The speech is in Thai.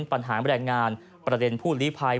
ปัญหาแรงงานประเด็นผู้ลีภัย